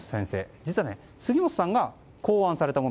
実は杉本さんが考案されたもの。